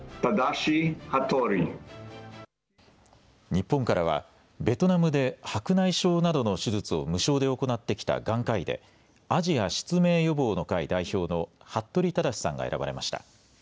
日本からはベトナムで白内障などの手術を無償で行ってきた眼科医でアジア失明予防の会代表の服部匡志さんが選ばれました。